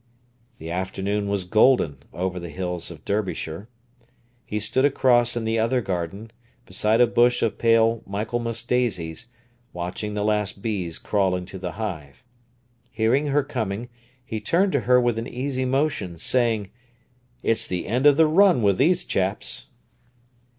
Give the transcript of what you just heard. The afternoon was golden over the hills of Derbyshire. He stood across in the other garden, beside a bush of pale Michaelmas daisies, watching the last bees crawl into the hive. Hearing her coming, he turned to her with an easy motion, saying: "It's the end of the run with these chaps."